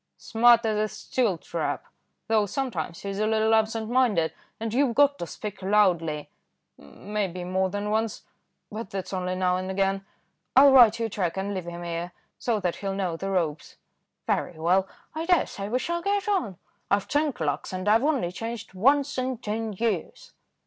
"Smart as a steel trap, though sometimes he's a little absent minded; and you've got to speak loudly, maybe more than once, but that's only now and again. I'll write you a cheque and leave him here, so that he will know the ropes." "Very well, I daresay we shall get on. I've ten clerks, and I've only changed once in ten years."